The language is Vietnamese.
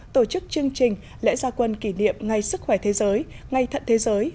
tổ chức chương trình lễ gia quân kỷ niệm ngày sức khỏe thế giới ngày thận thế giới